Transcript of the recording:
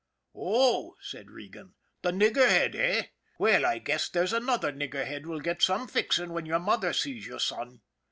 " Oh," said Regan, "the nigger head, eh? Well, I guess there's another nigger head will get some fixing when your mother sees you, son."